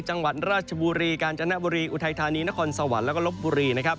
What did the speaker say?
จังหวัดราชบุรีการจันทบุรีอุทัยธานีนครสวรรค์และก็ลบบุรี